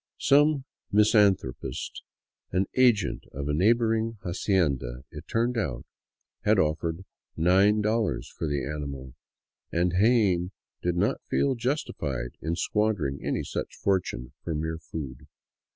Some mis anthropist, an agent of a neighboring hacienda, it turned out, had offered $9 for the animal, and Jaen did not feel justified in squander ing any such fortune for mere food.